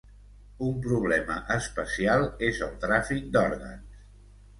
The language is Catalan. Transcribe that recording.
Un problema especial és el tràfic d'òrgans.